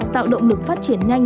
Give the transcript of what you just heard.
tạo động lực phát triển nhanh